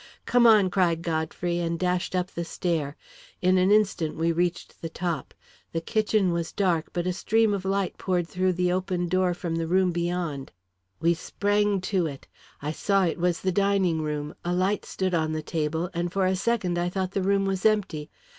"Come on!" cried Godfrey, and dashed up the stair. In an instant, we reached the top. The kitchen was dark, but a stream of light poured through the open door from the room beyond. We sprang to it. I saw it was the dining room; a light stood on the table and for a second I thought the room was empty.